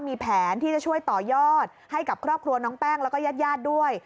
มีแผนที่จะช่วยต่อยอดให้กับครอบครัวน้องแป้งแล้วก็ญาติญาติด้วย